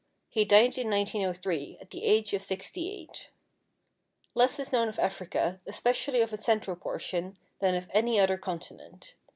He died in 1903, at the age of sixty eight. Less is known of Africa, especially of its central portion, than of any other continent.